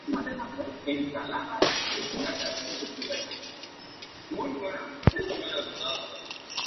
Se ubica geográficamente en el centro norte del departamento.